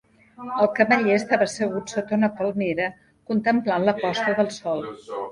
El cameller estava assegut sota una palmera contemplant la posta del sol.